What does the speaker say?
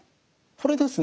これですね